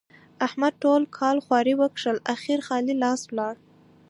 احمد ټول کال خواري وکښلې؛ اخېر خالي لاس ولاړ.